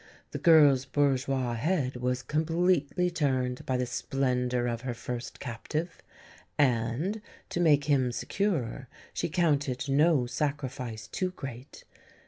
The girl's bourgeois head was completely turned by the splendour of her first captive; and, to make him secure, she counted no sacrifice too great.